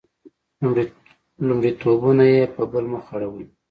لومړیتونه یې په بل مخ اړولي.